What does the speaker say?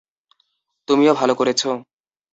তুমিও ভালো করেছ?